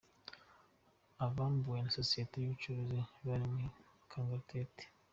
Abambuwe na Sosiyeti y’ubucukuzi bari mu Kangaratete